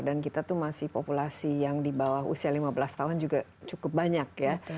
dan kita tuh masih populasi yang di bawah usia lima belas tahun juga cukup banyak ya